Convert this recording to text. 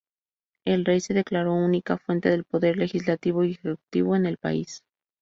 El rey se declaró única fuente del poder legislativo y ejecutivo en el país.